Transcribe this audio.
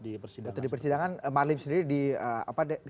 di persidangan di persidangan marlim sendiri